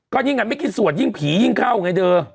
ก็ยังงั้นไม่กินสวดยิ่งผียิ่งเข้าไงเด้ว